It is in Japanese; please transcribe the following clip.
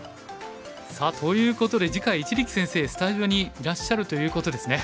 さあということで次回一力先生スタジオにいらっしゃるということですね。